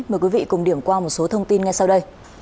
mời quý vị cùng điểm qua một số thông tin ngay sau đây